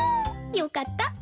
よかった。